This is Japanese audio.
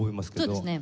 そうですね。